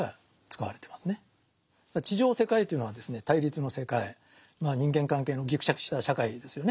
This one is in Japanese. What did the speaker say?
地上世界というのはですね対立の世界人間関係のぎくしゃくした社会ですよね。